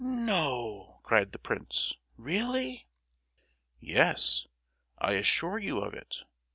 "No," cried the prince, "really?" "Yes, I assure you of it!